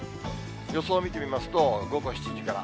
予想見てみますと、午後７時から。